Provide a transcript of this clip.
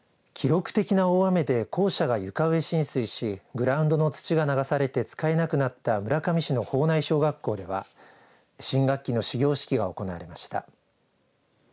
記録的な大雨で校舎が床上浸水しグラウンドの土が流されて使えなくなった村上市の保内小学校では新学期の始業式が行われました。